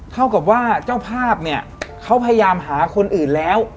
เท่ากับว่าเจ้าภาพเนี่ยเขาพยายามหาคนอื่นแล้ว